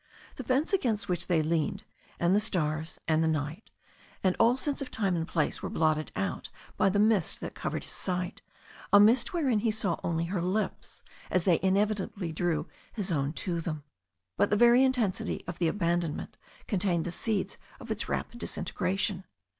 The fence against which they leaned, and the stars, and the night, and all sense of time and place were blotted out by the mist that covered his sight, a mist wherein he saw only her lips as they inevitably drew his own to them. But the very intensity of the abandonment contained the seeds of its rapid disintegration.